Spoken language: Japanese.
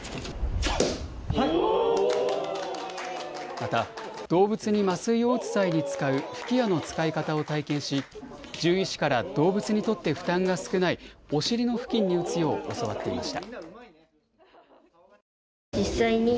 また動物に麻酔を打つ際に使う吹き矢の使い方を体験し獣医師から動物にとって負担が少ないお尻の付近に打つよう教わっていました。